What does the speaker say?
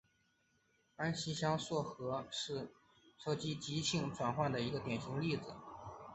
安息香缩合是羰基极性转换的一个典型例子。